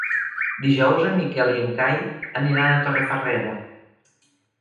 Dijous en Miquel i en Cai aniran a Torrefarrera.